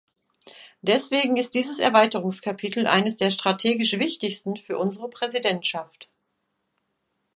Deswegen ist dieses Erweiterungskapitel eines der strategisch wichtigsten für unsere Präsidentschaft.